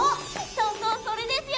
そうそうそれですよ！